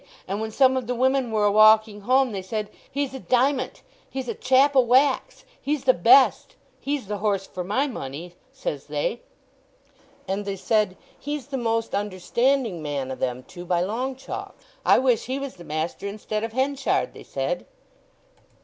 And when some of the women were a walking home they said, 'He's a diment—he's a chap o' wax—he's the best—he's the horse for my money,' says they. And they said, 'He's the most understanding man o' them two by long chalks. I wish he was the master instead of Henchard,' they said."